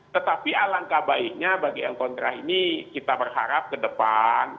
tetapi alangkah baiknya bagi yang kontra ini kita berharap ke depan